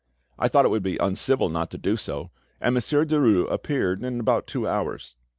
I thought it would be uncivil not to do so, and Monsieur Derues appeared in about two hours.